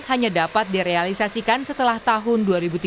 hanya dapat direalisasikan setelah tahun dua ribu tujuh belas